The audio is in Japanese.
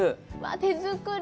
手作り！